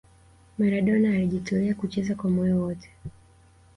maradona alijitolea kucheza kwa moyo wote